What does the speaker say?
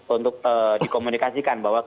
untuk dikomunikasikan bahwa kita